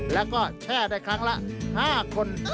แล้วก็แช่ได้ครั้งละ๕คน